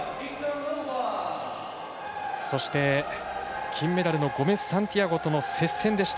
そして、金メダルのゴメスサンティアゴとの接戦でした。